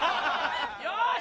よし！